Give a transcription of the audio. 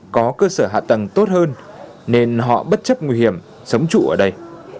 có cơ sở hạ tầng tốt hơn nên họ bất chấp nguy hiểm sống trụ ở đây